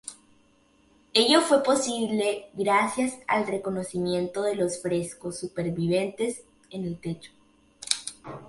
Ello fue posible gracias al reconocimiento de los frescos supervivientes en el techo.